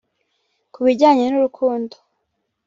Ku bijyanye n’urukundo